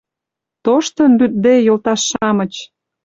Тоштын, лӱдде, йолташ-шамыч